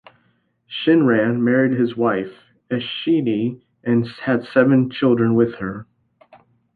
Shinran married his wife, Eshinni, and had seven children with her.